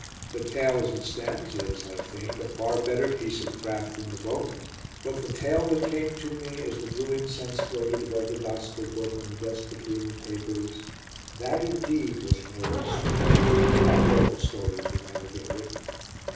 The tale as it stands is, I think, a far better piece of craft than "The Bowmen", but the tale that came to me as the blue incense floated above the Gospel Book on the desk between the tapers: that indeed was a noble story like all the stories that never get written.